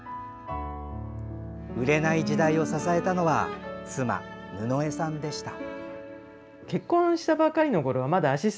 売れない時代を支えたのは妻・布枝さんでした。